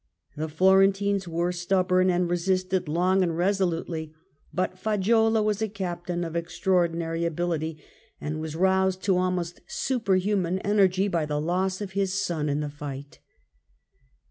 The Florentines were stub born and resisted long and resolutely ; but Faggiuola was a captain of extraordinary ability and was roused 74 THE END OF THE MIDDLE AGE to almost superhuman energy by the loss of his son in the fight.